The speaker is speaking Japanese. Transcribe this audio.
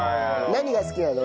何が好きなの？